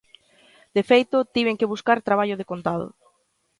De feito, tiven que buscar traballo decontado.